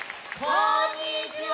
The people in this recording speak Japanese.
こんにちは！